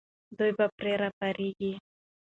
دوی به پرې راپارېږي.